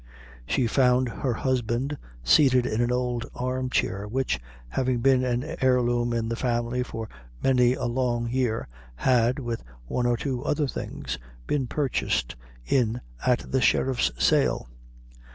She found her husband seated in an old arm chair, which, having been an heir loom in the family for many a long year, had, with one or two other things, been purchased in at the sheriff's sale.